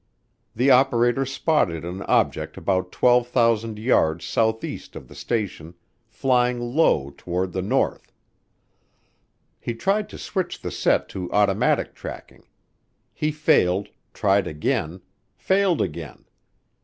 The operator spotted an object about 12,000 yards southeast of the station, flying low toward the north. He tried to switch the set to automatic tracking. He failed, tried again, failed again.